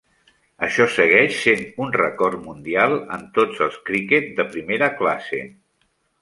Això segueix sent un rècord mundial en tots els criquet de primera classe.